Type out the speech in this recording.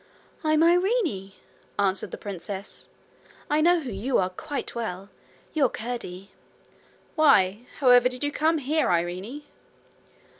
'I'm Irene,' answered the princess. 'I know who you are quite well. You're Curdie.' 'Why, how ever did you come here, Irene?'